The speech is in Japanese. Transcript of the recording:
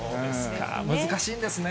難しいんですね。